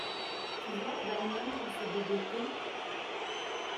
Tu vois la bagnole qu’il s’est dégotée ?